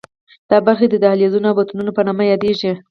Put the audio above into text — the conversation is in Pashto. دا برخې د دهلیزونو او بطنونو په نامه یادېږي.